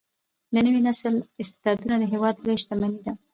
د نوي نسل استعدادونه د هیواد لویه شتمني ده.